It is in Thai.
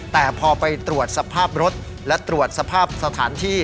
แต่พอไปตรวจสภาพรถและตรวจสภาพสถานที่